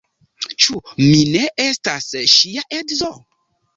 Ĉu mi ne estas ŝia edzo?